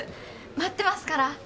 待ってますから。